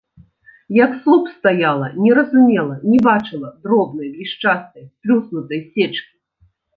Як слуп стаяла, не разумела, не бачыла дробнай блішчастай сплюснутай сечкі.